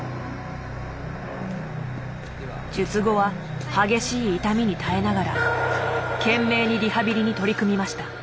術後は激しい痛みに耐えながら懸命にリハビリに取り組みました。